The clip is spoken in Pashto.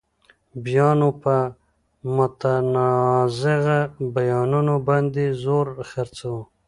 بیا نو په متنازعه بیانونو باندې زور خرڅوو.